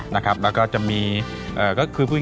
แม่บ้านประจันบัน